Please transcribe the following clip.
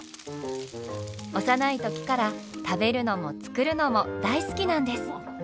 幼い時から食べるのも作るのも大好きなんです。